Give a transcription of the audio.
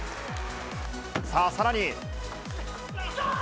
さあ、さらに。